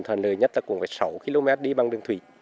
toàn lời nhất là cùng sáu km đi bằng đường thủy